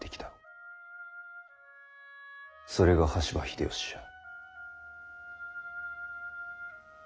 それが羽柴秀吉じゃ。